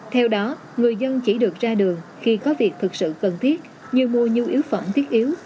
theo đó người dân chỉ được ra đường khi có việc thực sự cần thiết như mua nhu yếu phẩm thiết yếu